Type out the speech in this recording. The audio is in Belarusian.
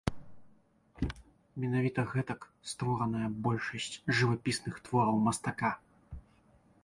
Менавіта гэтак створаная большасць жывапісных твораў мастака.